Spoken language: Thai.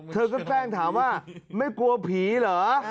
เธอก็แกล้งถามว่าไม่กลัวผีเหรอ